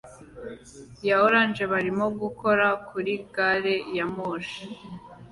ya orange barimo gukora kuri gari ya moshi